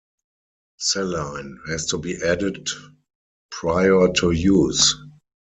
Saline has to be added prior to use.